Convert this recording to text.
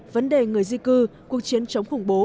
vấn đề người di cư cuộc chiến chống khủng bố